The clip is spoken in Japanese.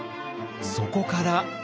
そこから。